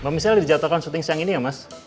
mbak michelle dijatuhkan syuting siang ini ya mas